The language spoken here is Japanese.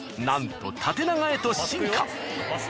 なんと縦長へと進化。